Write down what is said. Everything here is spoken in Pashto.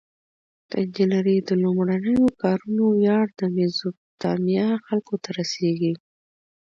د انجنیری د لومړنیو کارونو ویاړ د میزوپتامیا خلکو ته رسیږي.